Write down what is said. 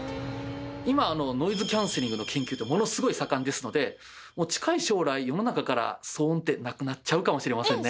今ノイズキャンセリングの研究ってものすごい盛んですのでもう近い将来世の中から騒音ってなくなっちゃうかもしれませんね。